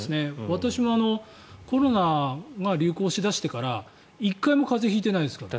私もコロナが流行し出してから１回も風邪引いてないですから。